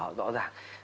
đó rõ ràng